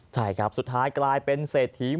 ใช่ครับสุดท้ายกลายเป็นเศรษฐี